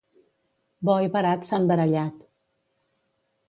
Bo i barat s'han barallat.